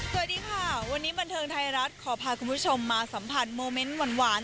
สวัสดีค่ะวันนี้บันเทิงไทยรัฐขอพาคุณผู้ชมมาสัมผัสโมเมนต์หวาน